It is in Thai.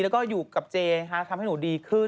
แล้วก็อยู่กับเจทำให้หนูดีขึ้น